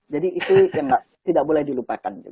jadi itu tidak boleh dilupakan